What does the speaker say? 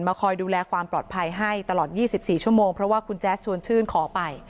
คอยดูแลความปลอดภัยให้ตลอด๒๔ชั่วโมงเพราะว่าคุณแจ๊สชวนชื่นขอไป